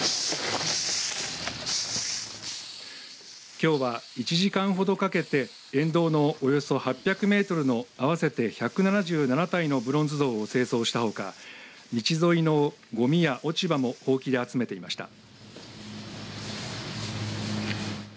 きょうは１時間ほどかけて沿道のおよそ８００メートルの合わせて１７７体のブロンズ像を清掃したほか道沿いのごみや落ち葉もほうきで集めていました。